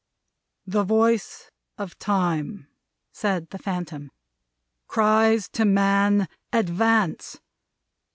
"The voice of Time," said the Phantom, "cries to man, Advance!